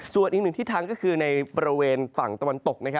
ส่วนอีกหนึ่งทิศทางก็คือในบริเวณฝั่งตะวันตก